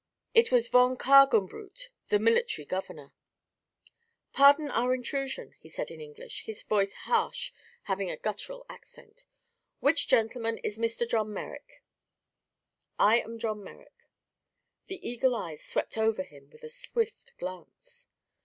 It was von Kargenbrut, the military governor. "Pardon our intrusion," he said in English, his harsh voice having a guttural accent. "Which gentleman is Mr. John Merrick?" "I am John Merrick." The eagle eyes swept over him with a swift glance.